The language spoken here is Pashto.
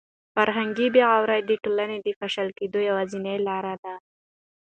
فرهنګي بې غوري د ټولنې د پاشل کېدو یوازینۍ لاره ده.